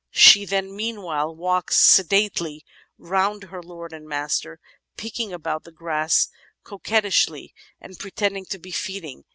She then meanwhile walks sedately round her lord and master, picking about the grass coquettishly, and pre tending to be feeding.